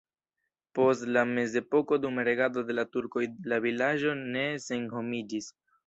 Post la mezepoko dum regado de la turkoj la vilaĝo ne senhomiĝis.